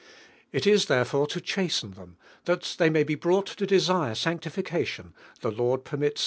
It is therefore to chasten thi'in— (liar they may be brought to desire sanctiflcalion — the. Lord, permits.